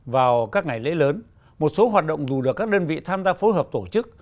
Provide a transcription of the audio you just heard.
vào các ngày lễ lớn một số hoạt động dù được các đơn vị tham gia phối hợp tổ chức